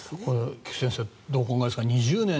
菊地先生どうお考えですか。